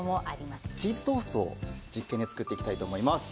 チーズトーストを実験で作っていきたいと思います。